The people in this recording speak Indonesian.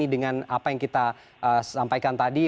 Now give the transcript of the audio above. dengan apa yang kita sampaikan tadi